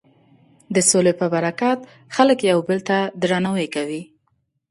د سولې په برکت خلک یو بل ته درناوی کوي.